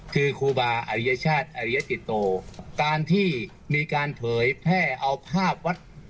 คือครูบาอริยชาติอริยติโตการที่มีการเผยแพร่เอาภาพวัด